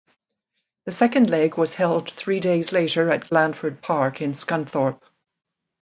The second leg was held three days later at Glanford Park in Scunthorpe.